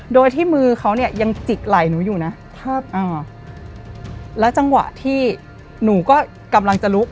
โดยที่มือเขาเนี่ยยังจิกไหล่หนูอยู่นะครับอ่าแล้วจังหวะที่หนูก็กำลังจะลุก